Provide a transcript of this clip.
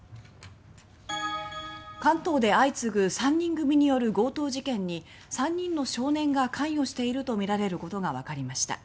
関東で相次ぐ３人組による強盗事件に３人の少年が関与しているとみられることがわかりました。